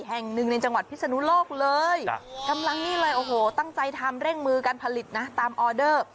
แห่งหนึ่งในจังหวัดพิศนุโลกเลยตั้งใจทำเร่งมือการผลิตนะตามออเดอร์